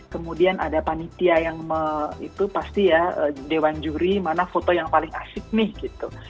kemudian ada panitia yang itu pasti ya dewan juri mana foto yang paling asik nih gitu